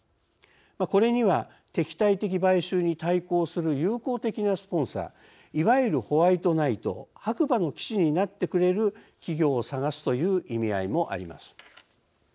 これには、敵対的買収に対抗する友好的なスポンサーいわゆるホワイトナイト白馬の騎士になってくれる企業を探すという意味合いもあります。